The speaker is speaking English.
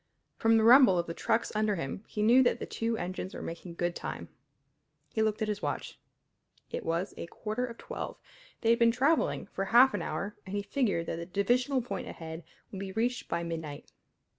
From the rumble of the trucks under him he knew that the two engines were making good time. He looked at his watch. It was a quarter of twelve. They had been travelling for half an hour and he figured that the divisional point ahead would be reached by midnight.